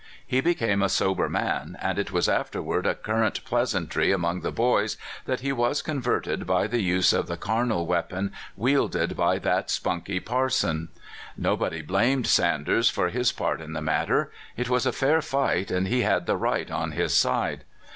He became a sober man, and it was afterward a current pleasantry among the "boys' 7 that he was converted by the use of the carnal weapon widded by that spunky parson. Nobody blamed Sanders for his part in the matter. It was a fair fight, and he had the right on his side.